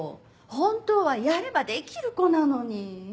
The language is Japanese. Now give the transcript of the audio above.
本当はやればできる子なのに。